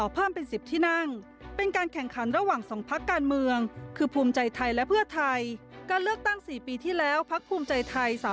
โปรดติดตามตอนต่อไป